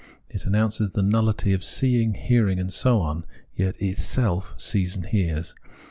It announces the nulhty of seeing, hearing, and so on, yet itself sees and hears.